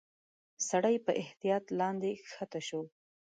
سړی په احتياط لاندي کښته شو.